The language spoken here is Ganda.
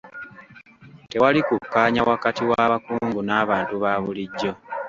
Tewali kukkaanya wakati w'abakungu n'abantu ba bulijjo.